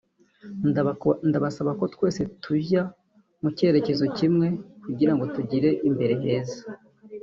ndabasaba ko twese tujya mu cyerekezo kimwe kugira ngo tugire imbere heza